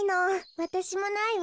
わたしもないわ。